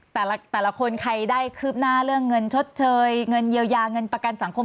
แต่ละคนใครได้คืบหน้าเรื่องเงินชดเชยเงินเยียวยาเงินประกันสังคม